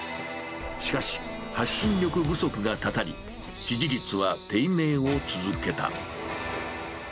しかし、発信力不足がたたり、支持率は低迷を続けた。